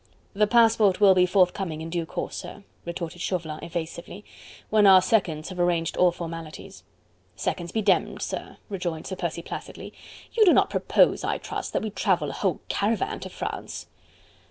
"The passport will be forthcoming in due course, sir," retorted Chauvelin evasively, "when our seconds have arranged all formalities." "Seconds be demmed, sir," rejoined Sir Percy placidly, "you do not propose, I trust, that we travel a whole caravan to France."